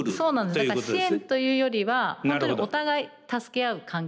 だから支援というよりは本当にお互い助け合う関係性。